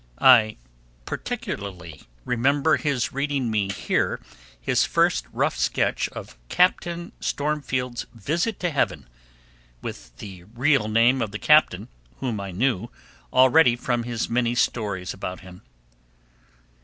I particularly remember his reading me here his first rough sketch of Captain Stormfield's Visit to Heaven, with the real name of the captain, whom I knew already from his many stories about him.